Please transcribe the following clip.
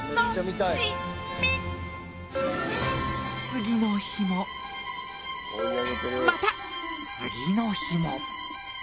次の日もまた次の日も。